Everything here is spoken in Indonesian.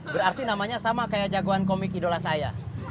berarti namanya sama kayak jagoan komik idola saya